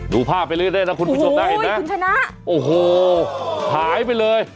ดูภาพเหลือได้แล้วคุณผู้ชมได้โอ้โหหายไปเลย